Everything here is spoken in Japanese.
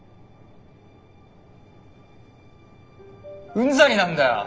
うんざりなんだよ。